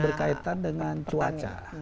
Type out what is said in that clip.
berkaitan dengan cuaca